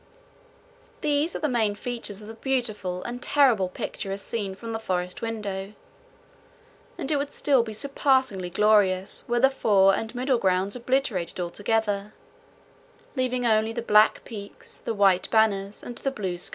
These are the main features of the beautiful and terrible picture as seen from the forest window; and it would still be surpassingly glorious were the fore and middle grounds obliterated altogether, leaving only the black peaks, the white banners, and the blue sky.